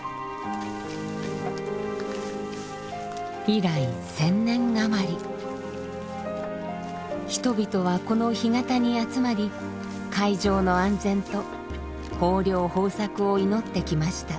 以来１，０００年余り人々はこの干潟に集まり海上の安全と豊漁豊作を祈ってきました。